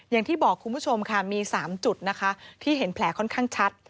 อย่างที่บอกคุณผู้ชมค่ะมี๓จุดนะคะที่เห็นแผลค่อนข้างชัด